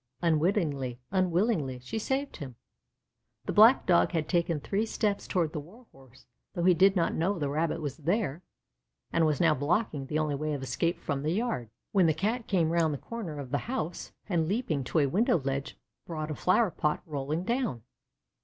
Unwittingly, unwillingly, she saved him. The black Dog had taken three steps toward the Warhorse, though he did not know the Rabbit was there, and was now blocking the only way of escape from the yard, when the Cat came round the corner of the house, and leaping to a window ledge brought a flower pot rolling down.